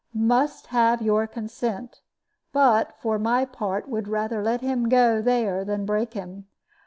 Must have your consent; but, for my part, would rather let him go there than break him.